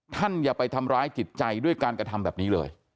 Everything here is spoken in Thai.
อย่าไปทำร้ายจิตใจด้วยการกระทำแบบนี้เลย